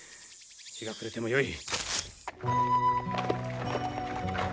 日が暮れてもよい。